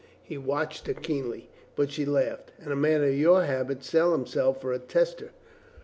He watched her keenly. But she laughed. "And a man of your habit sell himself for a tester.